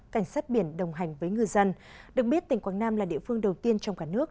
cảnh sát biển đồng hành với ngư dân được biết tỉnh quảng nam là địa phương đầu tiên trong cả nước